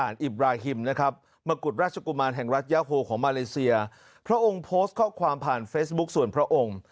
ยาโฮของมาเลเซียพระองค์โพสต์ข้อความผ่านเฟซบุ๊กส่วนพระองค์